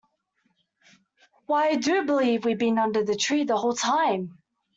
Why, I do believe we’ve been under this tree the whole time!